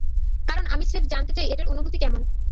কারণ আমি স্রেফ জানতে চাই এটার অনুভূতি কেমন।